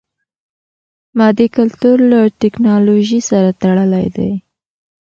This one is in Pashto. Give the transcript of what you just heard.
مادي کلتور له ټکنالوژي سره تړلی دی.